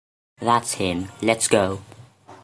That’s him. Let’s go.